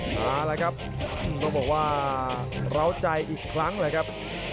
มาแล้วครับต้องบอกว่าร้าวใจอีกครั้งแหละครับ